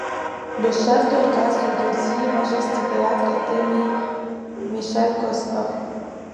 Le chef d'orchestre du His Majesty's Theatre était Michele Costa.